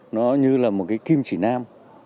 nó như là một kim chỉ nam